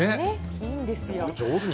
いいんですよ。